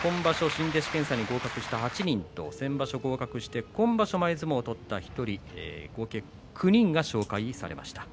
新弟子検査に合格した８人と先場所合格して、今場所、前相撲を取った１人合計で９人が紹介されました。